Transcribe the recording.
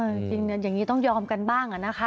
จริงอย่างนี้ต้องยอมกันบ้างอะนะคะ